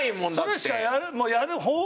それしかもうやる方法